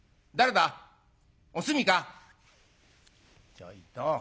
「ちょいと。